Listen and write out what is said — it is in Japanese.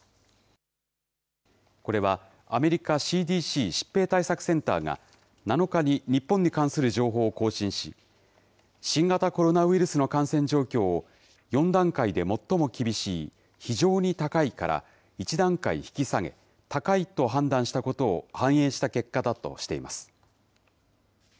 これはアメリカＣＤＣ・疾病対策センターが、７日に日本に関する情報を更新し、新型コロナウイルスの感染状況を４段階で最も厳しい非常に高いから１段階引き下げ、高いと判断したことを反映した結果だとしています。